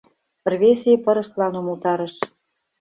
— рвезе пырыслан умылтарыш.